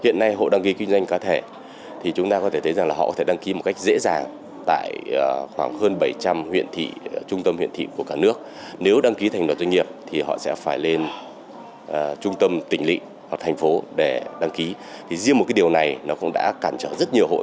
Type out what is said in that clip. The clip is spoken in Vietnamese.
cảnh trở rất nhiều hộ kinh doanh cá thể khi đăng ký kinh doanh